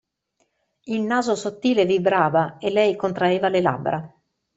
Il naso sottile vibrava e lei contraeva le labbra.